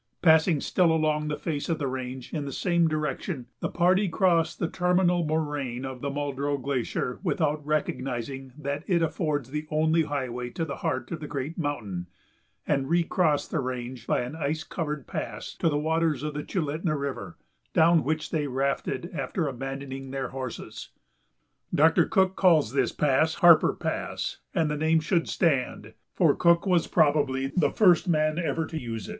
Passing still along the face of the range in the same direction, the party crossed the terminal moraine of the Muldrow Glacier without recognizing that it affords the only highway to the heart of the great mountain and recrossed the range by an ice covered pass to the waters of the Chulitna River, down which they rafted after abandoning their horses. Doctor Cook calls this pass "Harper Pass," and the name should stand, for Cook was probably the first man ever to use it.